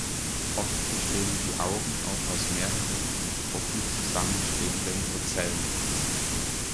Oft bestehen die Augen auch aus mehreren in Gruppen zusammenstehenden Ocellen.